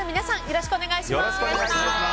よろしくお願いします。